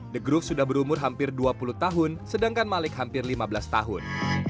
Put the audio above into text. the groove sudah berumur hampir dua puluh tahun sedangkan malik hampir lima belas tahun